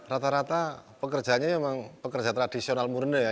rata rata pekerjanya memang pekerja tradisional murni ya